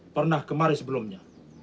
pernah kemari sebelumnya